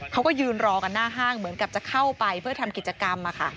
เขาก็ยืนรอกันหน้าห้างเหมือนกับจะเข้าไปเพื่อทำกิจกรรม